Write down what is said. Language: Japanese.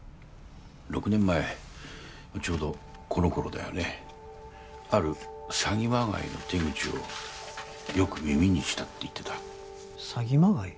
６年前ちょうどこの頃だよねある詐欺まがいの手口をよく耳にしたって言ってた詐欺まがい？